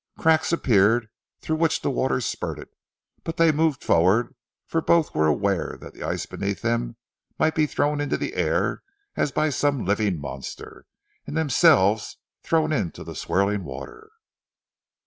Cracks appeared through which the water spurted, but they moved forward, for both were aware that the ice beneath them might be thrown into the air as by some living monster and themselves thrown into the swirling water.